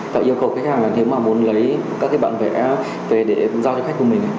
tạo yêu cầu khách hàng là nếu mà muốn lấy các cái bạn vẽ về để giao cho khách của mình